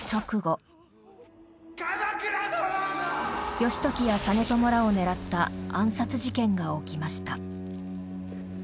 義時や実朝らを狙った暗殺事件が起きました。